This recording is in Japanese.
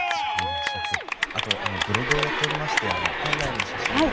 あとあのブログをやっておりまして店内の写真を。